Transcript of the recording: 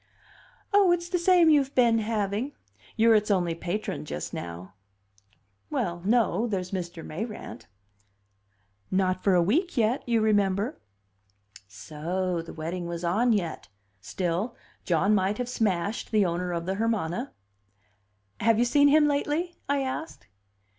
"Oh, it's the same you've been having. You're its only patron just now." "Well, no. There's Mr. Mayrant." "Not for a week yet, you remember." So the wedding was on yet. Still, John might have smashed the owner of the Hermana. "Have you seen him lately?" I asked.